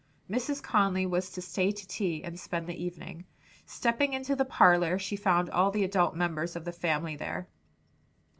Mrs. Conly was to stay to tea and spend the evening. Stepping into the parlor she found all the adult members of the family there.